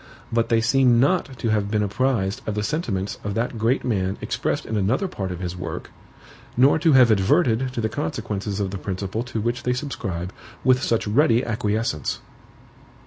But they seem not to have been apprised of the sentiments of that great man expressed in another part of his work, nor to have adverted to the consequences of the principle to which they subscribe with such ready acquiescence.